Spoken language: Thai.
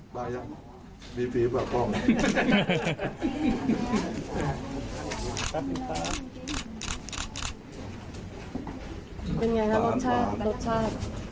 เป็นอย่างไรครับรสชาติรสชาติ